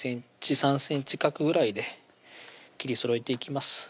２ｃｍ３ｃｍ角ぐらいで切りそろえていきます